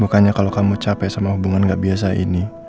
bukannya kalau kamu capek sama hubungan gak biasa ini